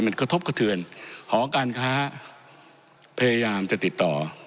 มันกระทบกระเทือนหอการค้าพยายามจะติดต่อ